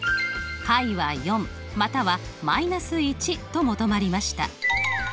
解は４または−１と求まりました。